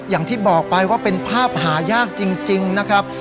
อย่างที่บอกไปว่าเป็นภาพหายากจริงนะครับ